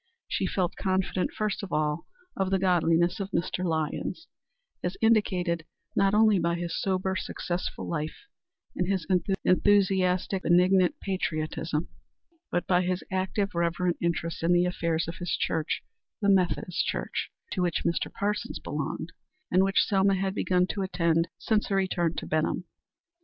She felt confident first of all of the godliness of Mr. Lyons as indicated not only by his sober, successful life, and his enthusiastic, benignant patriotism, but by his active, reverent interest in the affairs of his church the Methodist Church to which Mr. Parsons belonged, and which Selma had begun to attend since her return to Benham.